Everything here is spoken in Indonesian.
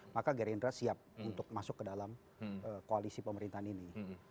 maka gerindra siap untuk masuk kedalam koalisi pemerintahan ini